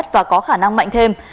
và có khả năng mạnh thêm